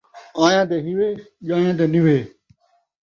آئیاں دے ہیوے، ڄائیاں دے نوہے